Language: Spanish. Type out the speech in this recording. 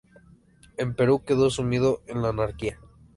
El Perú quedó sumido en la anarquía.